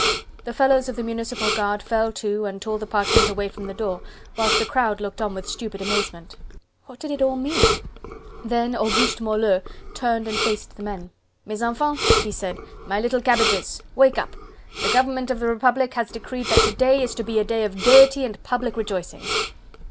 The fellows of the municipal guard fell to and tore the parchment away from the door whilst the crowd looked on with stupid amazement. What did it all mean? Then Auguste Moleux turned and faced the men. "Mes enfants," he said, "my little cabbages! wake up! the government of the Republic has decreed that to day is to be a day of gaiety and public rejoicings!"